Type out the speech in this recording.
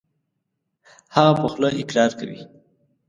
هغه په خوله اقرار کوي .